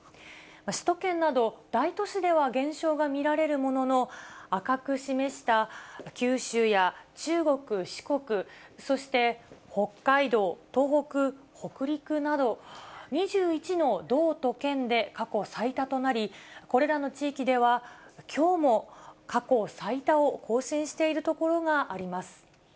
首都圏など大都市では減少が見られるものの、赤く示した九州や中国、四国、そして、北海道、東北、北陸など、２１の道と県で過去最多となり、これらの地域では、きょうも過去最多を更新している所があります。